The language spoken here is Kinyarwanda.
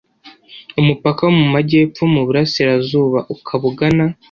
umupaka wo mu majyepfo mu burasirazuba ukaba ugana